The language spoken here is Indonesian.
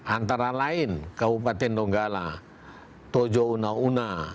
antara lain kabupaten donggala tojo unauna